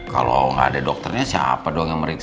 kalau nggak ada dokternya siapa doang yang merintah